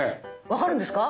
分かるんですか？